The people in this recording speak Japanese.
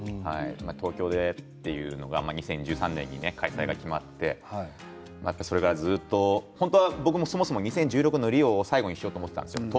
東京でというのが２０１３年に開催が決まってそれからずっと本当は僕もそもそも２０１６年のリオを最後にしようと思っていたんですよ。